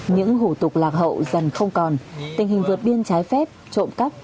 những hủ tục lạc hậu dần không còn tình hình vượt biên trái phép trộm cắp